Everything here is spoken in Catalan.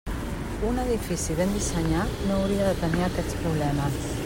Un edifici ben dissenyat no hauria de tenir aquests problemes.